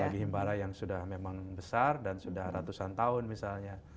bagi himbara yang sudah memang besar dan sudah ratusan tahun misalnya